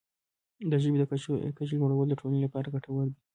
د ژبې د کچې لوړول د ټولنې لپاره ګټور دی.